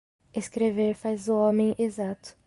Escrever faz o homem exato